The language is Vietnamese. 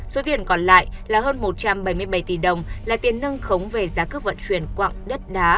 số tiền còn lại là hơn một trăm bảy mươi bảy tỷ đồng là tiền nâng khống về giá cước vận chuyển quạng đất đá